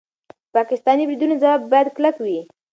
د پاکستاني بریدونو ځواب باید کلک وي.